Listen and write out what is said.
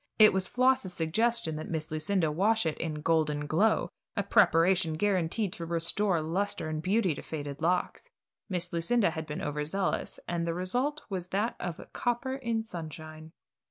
It was Floss's suggestion that Miss Lucinda wash it in "Golden Glow," a preparation guaranteed to restore luster and beauty to faded locks. Miss Lucinda had been over zealous, and the result was that of copper in sunshine.